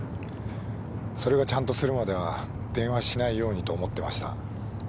それがちゃんとするまでは電話しないようにと思ってました。